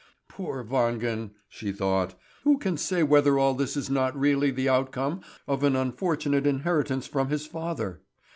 "Poor Wangen!" she thought. "Who can say whether all this is not really the outcome of an unfortunate inheritance from his father?